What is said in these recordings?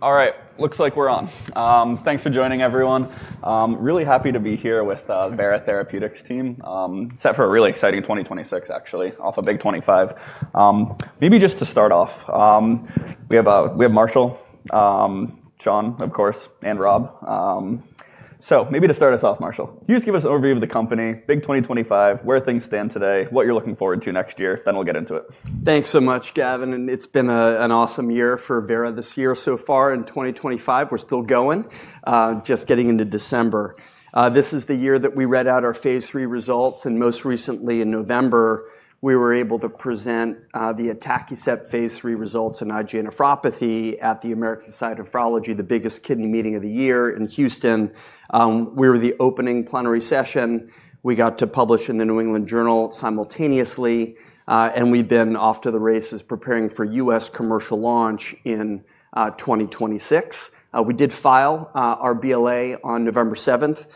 All right. Looks like we're on. Thanks for joining, everyone. Really happy to be here with the Vera Therapeutics team. Set for a really exciting 2026, actually. Off a big 2025. Maybe just to start off, we have Marshall, John, of course, and Rob. Maybe to start us off, Marshall, you just give us an overview of the company, big 2025, where things stand today, what you're looking forward to next year, then we'll get into it. Thanks so much, Gavin. It's been an awesome year for Vera this year. So far in 2025, we're still going, just getting into December. This is the year that we read out our phase 3 results. Most recently, in November, we were able to present the atacicept phase 3 results in IgA nephropathy at the American Society of Nephrology, the biggest kidney meeting of the year in Houston. We were the opening plenary session. We got to publish in the New England Journal of Medicine simultaneously. We've been off to the races preparing for U.S. commercial launch in 2026. We did file our BLA on November 7th.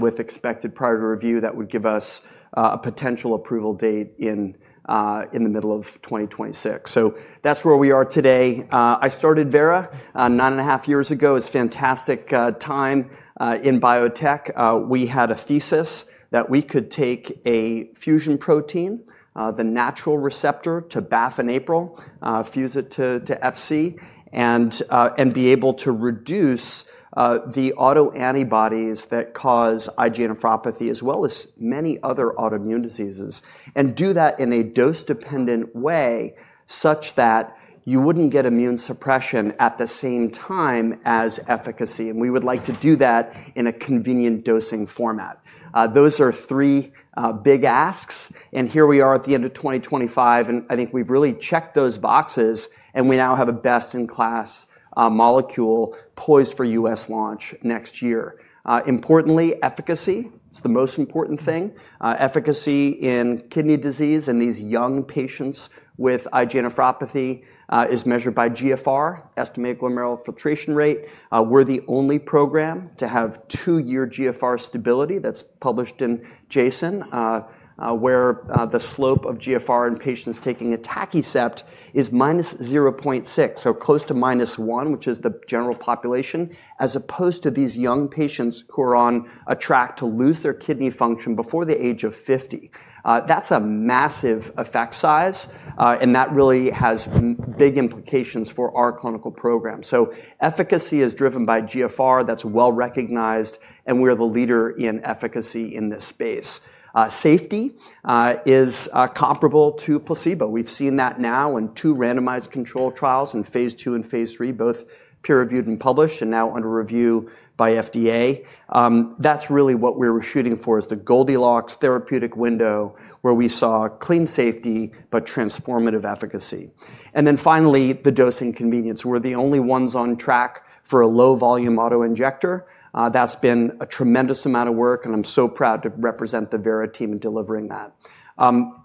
With expected priority review, that would give us a potential approval date in the middle of 2026. That's where we are today. I started Vera nine and a half years ago. It was a fantastic time in biotech. We had a thesis that we could take a fusion protein, the natural receptor, to BAFF and APRIL, fuse it to Fc, and be able to reduce the autoantibodies that cause IgA nephropathy, as well as many other autoimmune diseases, and do that in a dose-dependent way such that you would not get immune suppression at the same time as efficacy. We would like to do that in a convenient dosing format. Those are three big asks. Here we are at the end of 2025. I think we have really checked those boxes. We now have a best-in-class molecule poised for U.S. launch next year. Importantly, efficacy is the most important thing. Efficacy in kidney disease in these young patients with IgA nephropathy is measured by eGFR, estimated glomerular filtration rate. We are the only program to have two-year eGFR stability. That's published in JASN, where the slope of eGFR in patients taking atacicept is -0.6, so close to -1, which is the general population, as opposed to these young patients who are on a track to lose their kidney function before the age of 50. That's a massive effect size. That really has big implications for our clinical program. Efficacy is driven by eGFR. That's well recognized. We're the leader in efficacy in this space. Safety is comparable to placebo. We've seen that now in two randomized control trials in phase 2 and phase 3, both peer-reviewed and published, and now under review by FDA. That's really what we were shooting for is the Goldilocks therapeutic window where we saw clean safety but transformative efficacy. Finally, the dose and convenience. We're the only ones on track for a low-volume autoinjector. That's been a tremendous amount of work. I am so proud to represent the Vera team in delivering that.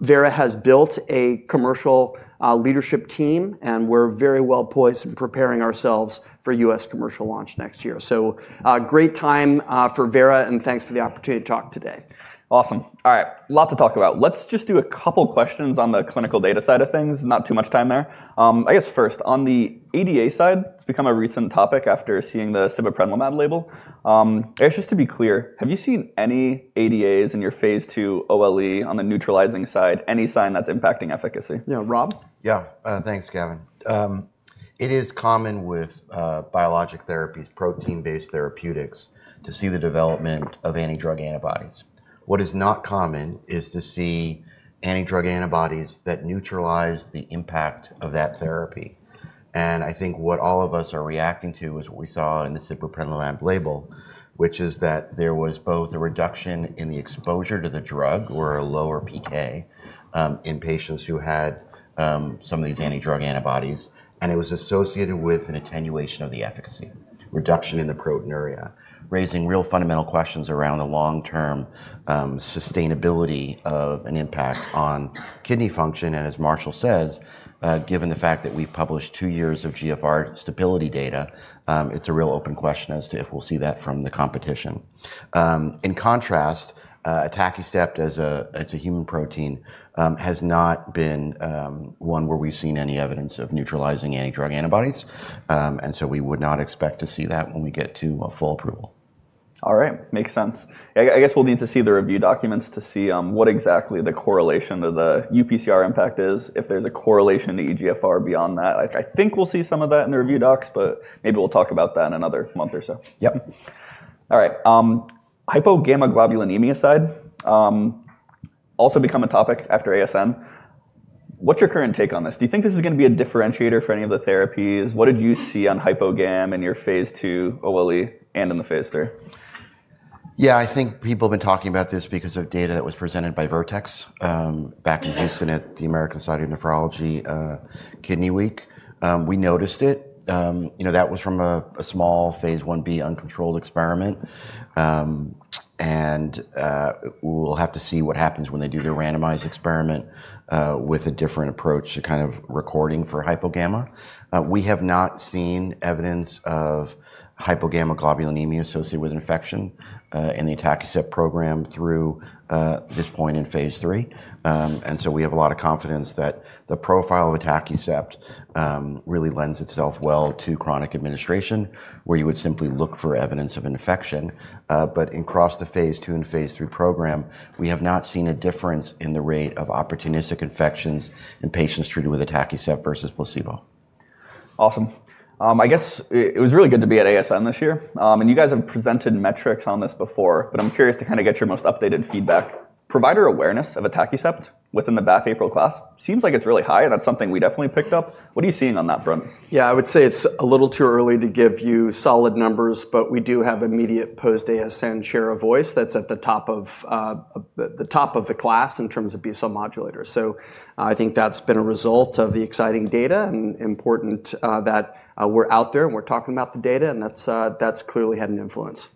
Vera has built a commercial leadership team. We are very well poised in preparing ourselves for U.S. commercial launch next year. Great time for Vera. Thanks for the opportunity to talk today. Awesome. All right. Lot to talk about. Let's just do a couple of questions on the clinical data side of things. Not too much time there. I guess first, on the ADA side, it's become a recent topic after seeing the sibeprenlimab label. I guess just to be clear, have you seen any ADAs in your phase 2 OLE on the neutralizing side, any sign that's impacting efficacy? Yeah. Rob? Yeah. Thanks, Gavin. It is common with biologic therapies, protein-based therapeutics, to see the development of antidrug antibodies. What is not common is to see antidrug antibodies that neutralize the impact of that therapy. I think what all of us are reacting to is what we saw in the sibeprenlimab label, which is that there was both a reduction in the exposure to the drug or a lower PK in patients who had some of these antidrug antibodies. It was associated with an attenuation of the efficacy, reduction in the proteinuria, raising real fundamental questions around the long-term sustainability of an impact on kidney function. As Marshall says, given the fact that we've published two years of eGFR stability data, it's a real open question as to if we'll see that from the competition. In contrast, atacicept, as a human protein, has not been one where we've seen any evidence of neutralizing antidrug antibodies. We would not expect to see that when we get to full approval. All right. Makes sense. I guess we'll need to see the review documents to see what exactly the correlation of the UPCR impact is. If there's a correlation to eGFR beyond that, I think we'll see some of that in the review docs. Maybe we'll talk about that in another month or so. Yep. All right. Hypogammaglobulinemia side also become a topic after ASN. What's your current take on this? Do you think this is going to be a differentiator for any of the therapies? What did you see on hypogam in your phase 2 OLE and in the phase 3? Yeah. I think people have been talking about this because of data that was presented by Vertex back in Houston at the American Society of Nephrology Kidney Week. We noticed it. That was from a small phase 1b uncontrolled experiment. We will have to see what happens when they do their randomized experiment with a different approach to kind of recording for hypogamma. We have not seen evidence of hypogammaglobulinemia associated with infection in the atacicept program through this point in phase 3. We have a lot of confidence that the profile of atacicept really lends itself well to chronic administration, where you would simply look for evidence of infection. Across the phase 2 and phase 3 program, we have not seen a difference in the rate of opportunistic infections in patients treated with atacicept versus placebo. Awesome. I guess it was really good to be at ASN this year. You guys have presented metrics on this before. I'm curious to kind of get your most updated feedback. Provider awareness of atacicept within the BAFF APRIL class seems like it's really high. That's something we definitely picked up. What are you seeing on that front? Yeah. I would say it's a little too early to give you solid numbers. We do have immediate post-ASN share of voice that's at the top of the top of the class in terms of B cell modulators. I think that's been a result of the exciting data and important that we're out there. We're talking about the data. That's clearly had an influence.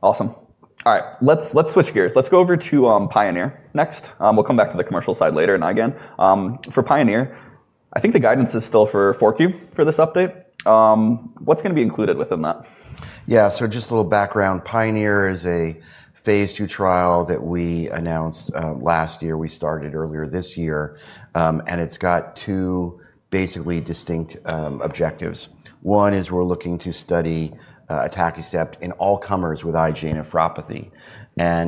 Awesome. All right. Let's switch gears. Let's go over to PIONEER next. We'll come back to the commercial side later and again. For PIONEER, I think the guidance is still for Q4 for this update. What's going to be included within that? Yeah. So just a little background. PIONEER is a phase 2 trial that we announced last year. We started earlier this year. And it's got two basically distinct objectives. One is we're looking to study atacicept in all comers with IgA nephropathy.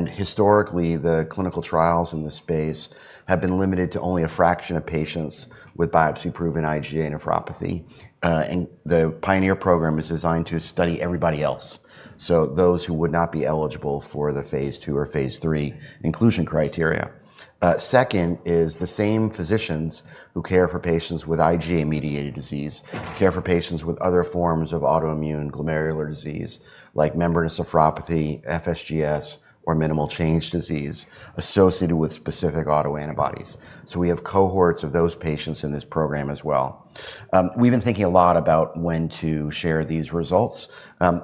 Historically, the clinical trials in this space have been limited to only a fraction of patients with biopsy-proven IgA nephropathy. The PIONEER program is designed to study everybody else, so those who would not be eligible for the phase 2 or phase 3 inclusion criteria. Second is the same physicians who care for patients with IgA-mediated disease care for patients with other forms of autoimmune glomerular disease, like membranous nephropathy, FSGS, or minimal change disease associated with specific autoantibodies. We have cohorts of those patients in this program as well. We've been thinking a lot about when to share these results.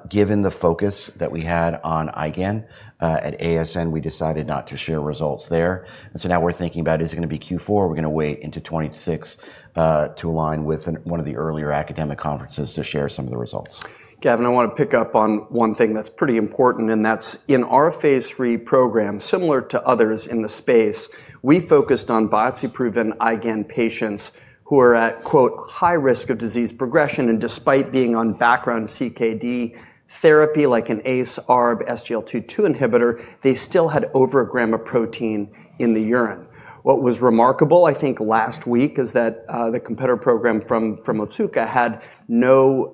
Given the focus that we had on IgAN at ASN, we decided not to share results there. Now we're thinking about, is it going to be Q4? Are we going to wait into 2026 to align with one of the earlier academic conferences to share some of the results. Gavin, I want to pick up on one thing that's pretty important. That's in our phase 3 program, similar to others in the space, we focused on biopsy-proven IgAN patients who are at "high risk of disease progression." Despite being on background CKD therapy like an ACE-ARB SGLT2 inhibitor, they still had over a gram of protein in the urine. What was remarkable, I think, last week is that the competitor program from Otsuka had no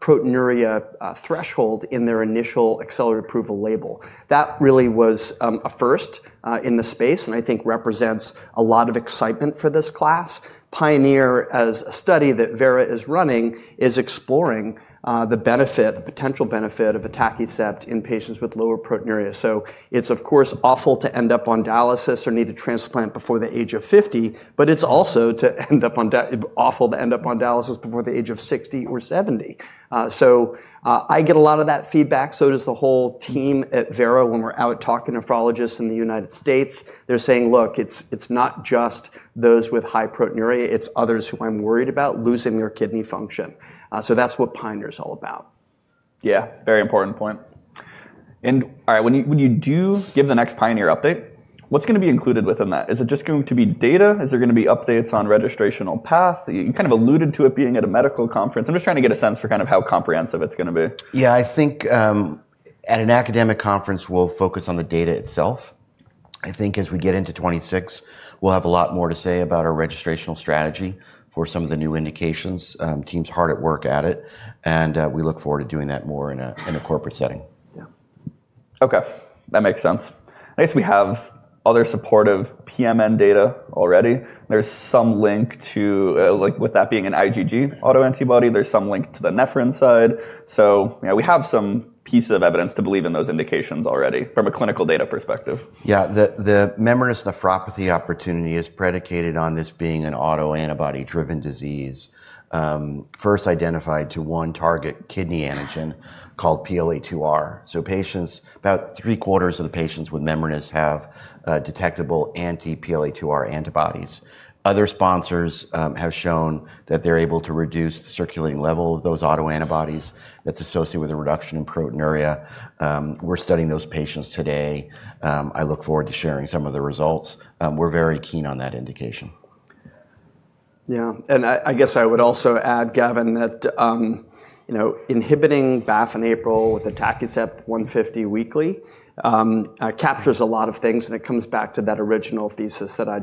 proteinuria threshold in their initial accelerated approval label. That really was a first in the space. I think represents a lot of excitement for this class. PIONEER, as a study that Vera is running, is exploring the benefit, the potential benefit of atacicept in patients with lower proteinuria. It's, of course, awful to end up on dialysis or need to transplant before the age of 50. It is also awful to end up on dialysis before the age of 60 or 70. I get a lot of that feedback. So does the whole team at Vera. When we are out talking to nephrologists in the United States, they are saying, look, it is not just those with high proteinuria. It is others who I am worried about losing their kidney function. That is what PIONEER is all about. Yeah. Very important point. All right. When you do give the next PIONEER update, what's going to be included within that? Is it just going to be data? Is there going to be updates on registrational path? You kind of alluded to it being at a medical conference. I'm just trying to get a sense for kind of how comprehensive it's going to be. Yeah. I think at an academic conference, we'll focus on the data itself. I think as we get into 2026, we'll have a lot more to say about our registrational strategy for some of the new indications. Team's hard at work at it. We look forward to doing that more in a corporate setting. Yeah. OK. That makes sense. I guess we have other supportive PMN data already. There's some link to, with that being an IgG autoantibody, there's some link to the nephrin side. So we have some pieces of evidence to believe in those indications already from a clinical data perspective. Yeah. The membranous nephropathy opportunity is predicated on this being an autoantibody-driven disease, first identified to one target kidney antigen called PLA2R. Patients, about three quarters of the patients with membranous have detectable anti-PLA2R antibodies. Other sponsors have shown that they're able to reduce the circulating level of those autoantibodies. That's associated with a reduction in proteinuria. We're studying those patients today. I look forward to sharing some of the results. We're very keen on that indication. Yeah. I guess I would also add, Gavin, that inhibiting BAFF and APRIL with atacicept 150 weekly captures a lot of things. It comes back to that original thesis that I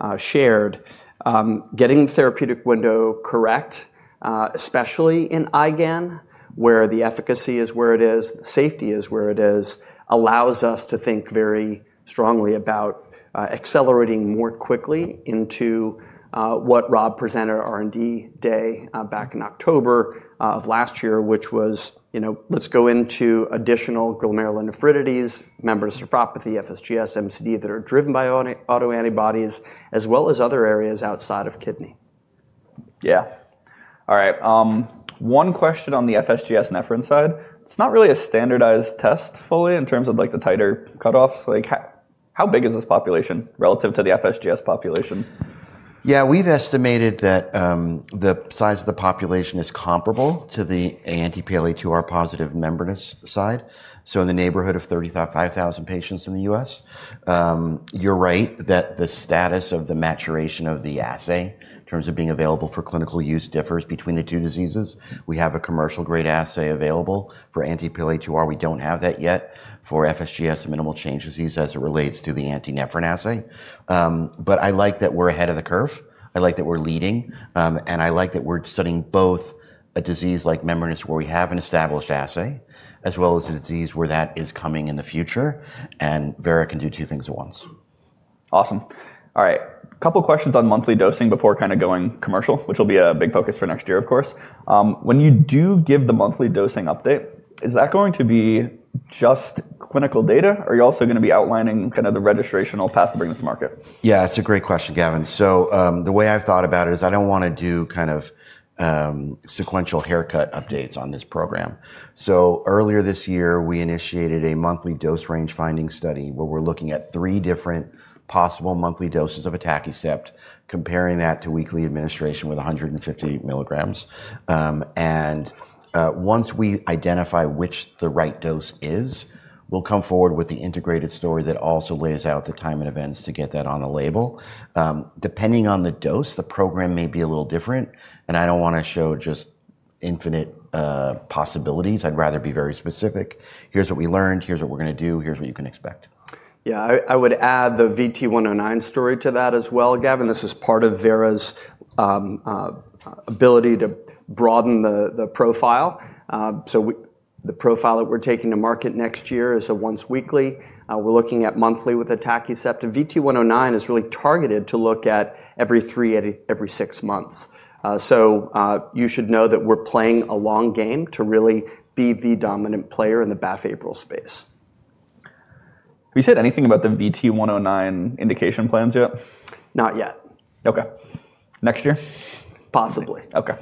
just shared. Getting the therapeutic window correct, especially in IgAN, where the efficacy is where it is, the safety is where it is, allows us to think very strongly about accelerating more quickly into what Rob presented at R&D day back in October of last year, which was, let's go into additional glomerular nephritides, membranous nephropathy, FSGS, MCD that are driven by autoantibodies, as well as other areas outside of kidney. Yeah. All right. One question on the FSGS nephrin side. It's not really a standardized test fully in terms of the titer cutoffs. How big is this population relative to the FSGS population? Yeah. We've estimated that the size of the population is comparable to the anti-PLA2R positive membranous side, so in the neighborhood of 35,000 patients in the U.S. You're right that the status of the maturation of the assay in terms of being available for clinical use differs between the two diseases. We have a commercial-grade assay available for anti-PLA2R. We don't have that yet for FSGS and minimal change disease as it relates to the anti-nephrin assay. I like that we're ahead of the curve. I like that we're leading. I like that we're studying both a disease like membranous where we have an established assay, as well as a disease where that is coming in the future. Vera can do two things at once. Awesome. All right. A couple of questions on monthly dosing before kind of going commercial, which will be a big focus for next year, of course. When you do give the monthly dosing update, is that going to be just clinical data? Or are you also going to be outlining kind of the registrational path to bring this to market? Yeah. It's a great question, Gavin. The way I've thought about it is I don't want to do kind of sequential haircut updates on this program. Earlier this year, we initiated a monthly dose range finding study where we're looking at three different possible monthly doses of atacicept, comparing that to weekly administration with 150 mg. Once we identify which the right dose is, we'll come forward with the integrated story that also lays out the time and events to get that on the label. Depending on the dose, the program may be a little different. I don't want to show just infinite possibilities. I'd rather be very specific. Here's what we learned. Here's what we're going to do. Here's what you can expect. Yeah. I would add the VT-109 story to that as well, Gavin. This is part of Vera's ability to broaden the profile. The profile that we're taking to market next year is a once weekly. We're looking at monthly with atacicept. The VT-109 is really targeted to look at every three to every six months. You should know that we're playing a long game to really be the dominant player in the BAFF APRIL space. Have you said anything about the VT-109 indication plans yet? Not yet. OK. Next year. Possibly. OK.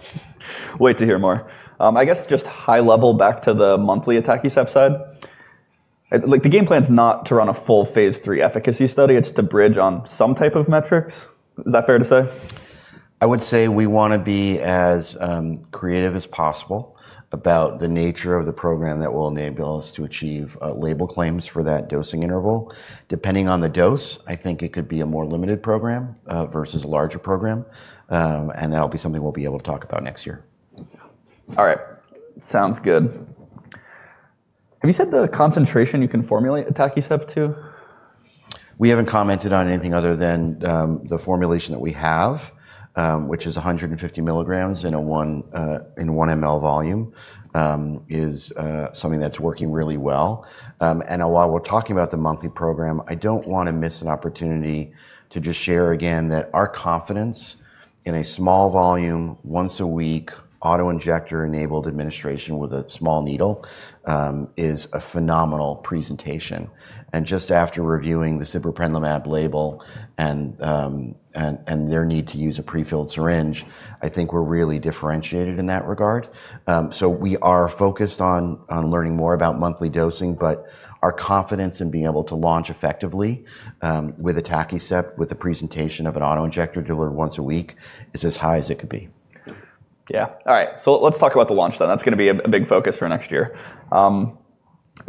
Wait to hear more. I guess just high level back to the monthly atacicept side. The game plan is not to run a full phase 3 efficacy study. It's to bridge on some type of metrics. Is that fair to say? I would say we want to be as creative as possible about the nature of the program that will enable us to achieve label claims for that dosing interval. Depending on the dose, I think it could be a more limited program versus a larger program. That'll be something we'll be able to talk about next year. All right. Sounds good. Have you said the concentration you can formulate atacicept to? We haven't commented on anything other than the formulation that we have, which is 150 mg in a 1 mL volume, is something that's working really well. While we're talking about the monthly program, I don't want to miss an opportunity to just share again that our confidence in a small volume, once a week, autoinjector-enabled administration with a small needle is a phenomenal presentation. Just after reviewing the sibeprenlimab label and their need to use a prefilled syringe, I think we're really differentiated in that regard. We are focused on learning more about monthly dosing. Our confidence in being able to launch effectively with atacicept with the presentation of an autoinjector delivered once a week is as high as it could be. Yeah. All right. Let's talk about the launch then. That's going to be a big focus for next year. I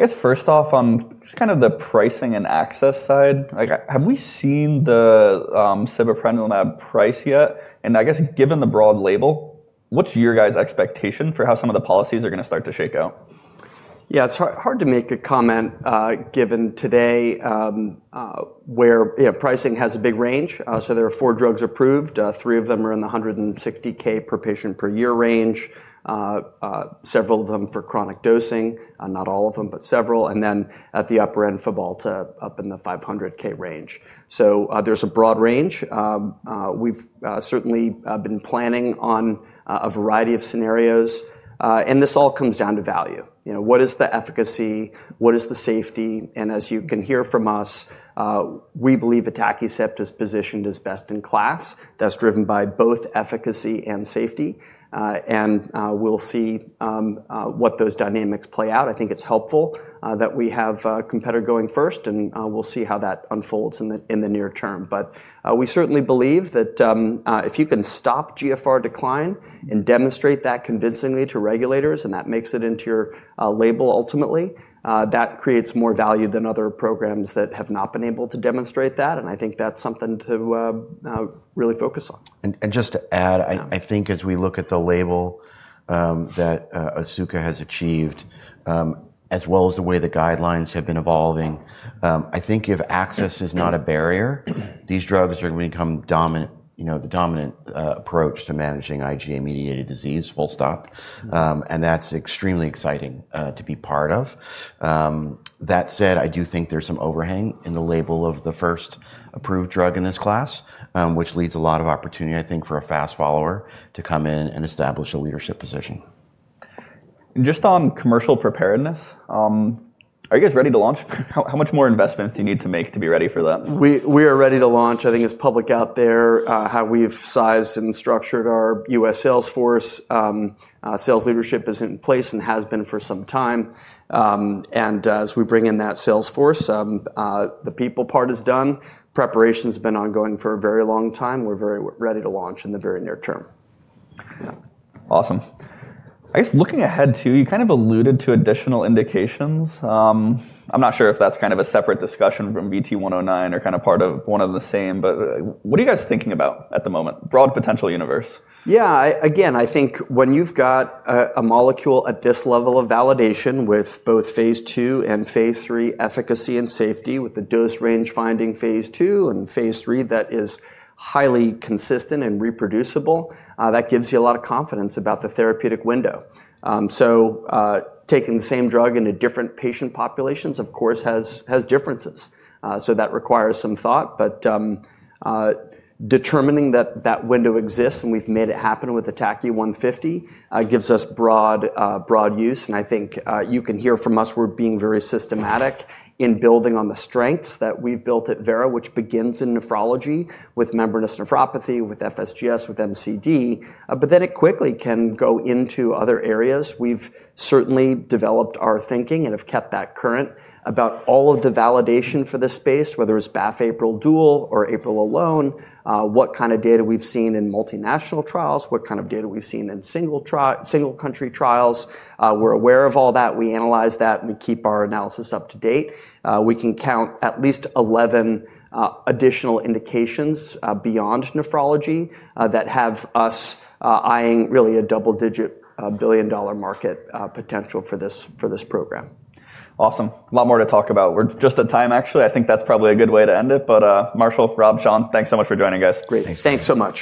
guess first off on just kind of the pricing and access side, have we seen the sibeprenlimab price yet? I guess given the broad label, what's your guys' expectation for how some of the policies are going to start to shake out? Yeah. It's hard to make a comment given today where pricing has a big range. There are four drugs approved. Three of them are in the $160,000 per patient per year range, several of them for chronic dosing, not all of them, but several. At the upper end, Fabhalta up in the $500,000 range. There's a broad range. We've certainly been planning on a variety of scenarios. This all comes down to value. What is the efficacy? What is the safety? As you can hear from us, we believe atacicept is positioned as best in class. That's driven by both efficacy and safety. We'll see what those dynamics play out. I think it's helpful that we have a competitor going first. We'll see how that unfolds in the near term. We certainly believe that if you can stop eGFR decline and demonstrate that convincingly to regulators, and that makes it into your label ultimately, that creates more value than other programs that have not been able to demonstrate that. I think that's something to really focus on. Just to add, I think as we look at the label that Otsuka has achieved, as well as the way the guidelines have been evolving, I think if access is not a barrier, these drugs are going to become the dominant approach to managing IgA-mediated disease. That is extremely exciting to be part of. That said, I do think there is some overhang in the label of the first approved drug in this class, which leads a lot of opportunity, I think, for a fast follower to come in and establish a leadership position. Just on commercial preparedness, are you guys ready to launch? How much more investments do you need to make to be ready for that? We are ready to launch. I think it's public out there how we've sized and structured our U.S. sales force. Sales leadership is in place and has been for some time. As we bring in that sales force, the people part is done. Preparation has been ongoing for a very long time. We're very ready to launch in the very near-term. Awesome. I guess looking ahead too, you kind of alluded to additional indications. I'm not sure if that's kind of a separate discussion from VT-109 or kind of part of one of the same. What are you guys thinking about at the moment? Broad potential universe. Yeah. Again, I think when you've got a molecule at this level of validation with both phase 2 and phase 3 efficacy and safety with the dose range finding phase 2 and phase 3 that is highly consistent and reproducible, that gives you a lot of confidence about the therapeutic window. Taking the same drug into different patient populations, of course, has differences. That requires some thought. Determining that that window exists and we've made it happen with atacicept 150 gives us broad use. I think you can hear from us we're being very systematic in building on the strengths that we've built at Vera, which begins in nephrology with membranous nephropathy, with FSGS, with MCD. It quickly can go into other areas. We've certainly developed our thinking and have kept that current about all of the validation for this space, whether it's BAFF APRIL dual or APRIL alone, what kind of data we've seen in multinational trials, what kind of data we've seen in single-country trials. We're aware of all that. We analyze that. We keep our analysis up to date. We can count at least 11 additional indications beyond nephrology that have us eyeing really a double-digit billion-dollar market potential for this program. Awesome. A lot more to talk about. We're just at time, actually. I think that's probably a good way to end it. Marshall, Rob, Shawn, thanks so much for joining, guys. Great. Thanks so much.